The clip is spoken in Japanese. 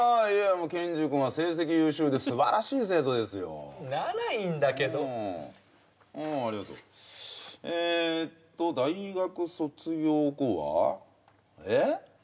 もうケンジ君は成績優秀で素晴らしい生徒ですよならいいんだけどおうありがとえっと大学卒業後はえっ？